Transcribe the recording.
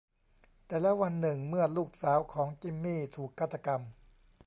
แต่แล้ววันหนึ่งเมื่อลูกสาวของ จิมมี่ ถูกฆาตกรรม